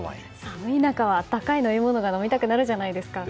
寒い中は温かい飲み物が飲みたくなるじゃないですか。